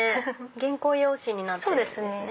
原稿用紙になってるんですね。